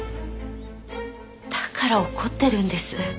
だから怒ってるんです。